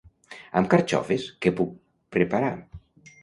Amb carxofes què puc preparar?